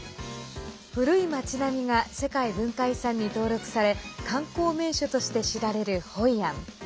古い街並みが世界文化遺産に登録され観光名所として知られるホイアン。